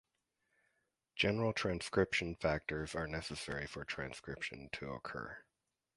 General transcription factors are necessary for transcription to occur.